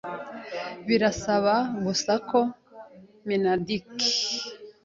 Birasaba gusa ko Mineduc